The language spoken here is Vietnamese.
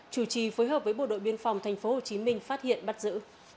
chủ trì phối hợp với bộ đội biên phòng tp hcm phát hiện bắt giữ